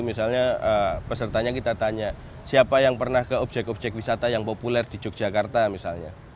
misalnya pesertanya kita tanya siapa yang pernah ke objek objek wisata yang populer di yogyakarta misalnya